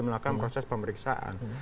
melakukan proses pemeriksaan